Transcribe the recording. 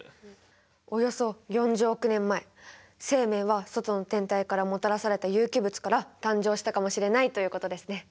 およそ４０億年前生命は外の天体からもたらされた有機物から誕生したかもしれないということですね。